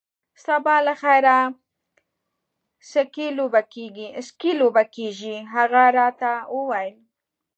سبا له خیره سکی لوبې کیږي. هغه راته وویل.